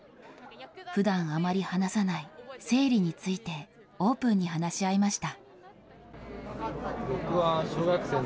ふだん、あまり話さない生理についてオープンに話し合いました。